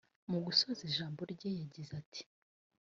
Mu gusoza ijambo rye yagize ati